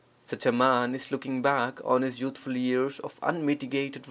Such a man is looking back on his youthful years of unmitigated worthlessness.